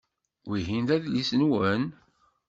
Wihin d adlis-nwen?